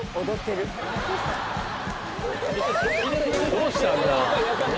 どうしたんだ？